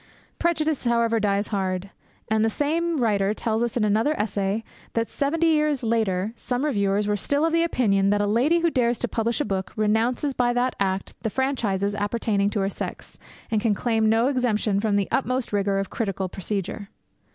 Prejudice, however, dies hard; and the same writer tells us in another essay that seventy years later, some reviewers were still of opinion that a lady who dares to publish a book renounces by that act the franchises appertaining to her sex, and can claim no exemption from the utmost rigour of critical procedure.